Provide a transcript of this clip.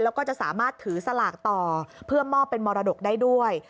แล้วก็จะสามารถถือสลากต่อเพื่อมอบเป็นมรดกได้ด้วย